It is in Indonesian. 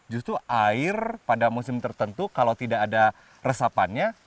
justru air pada musim tertentu kalau tidak ada resapannya